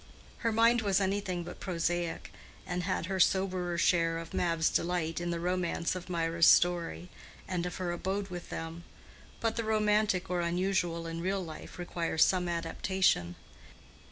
Her mind was anything but prosaic, and had her soberer share of Mab's delight in the romance of Mirah's story and of her abode with them; but the romantic or unusual in real life requires some adaptation.